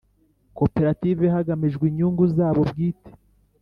Koperative hagamijwe inyungu zabo bwite